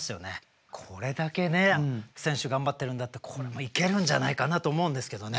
これだけ選手頑張ってるんだったらこれいけるんじゃないかなと思うんですけどね。